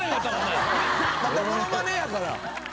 ものまねやから。